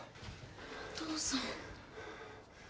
お父さん。